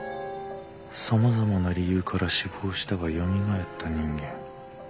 さまざまな理由から死亡したがよみがえった人間。